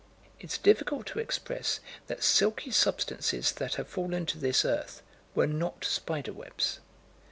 It's difficult to express that silky substances that have fallen to this earth were not spider webs.